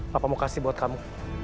apa mau kasih buat kamu